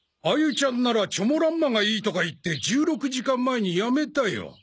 あゆちゃんならチョモランマがいいとか言って１６時間前に辞めたよ。